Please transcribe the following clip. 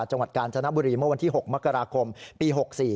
จังหวัดกาญจนบุรีเมื่อวันที่๖มกราคมปี๖๔